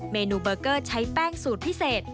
เมนูเบอร์เกอร์ใช้แป้งสูตรพิเศษ